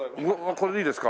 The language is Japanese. これでいいですか？